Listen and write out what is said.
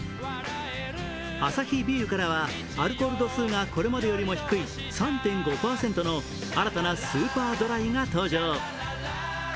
アサヒビールからはアルコール度数がこれまでよりも低い３．５％の新たなスーパードライが登場。